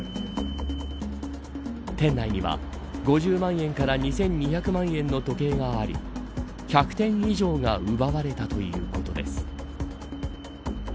店内には５０万円から２２００万円の時計があり１００点以上が奪われたということです。